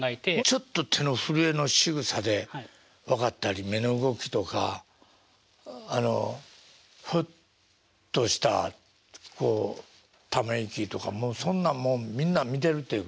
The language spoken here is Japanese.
ちょっと手の震えのしぐさで分かったり目の動きとかあのふっとしたこうため息とかもそんなんもみんな見てるっていうことですね。